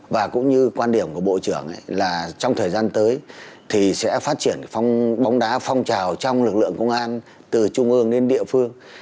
và cũng như quan điểm của bộ trưởng là trong thời gian tới thì sẽ phát triển phong bóng đá phong trào trong lực lượng công an từ trung ương đến địa phương